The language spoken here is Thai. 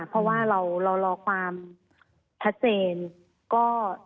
เพราะว่าเรารอความชัดเจนก็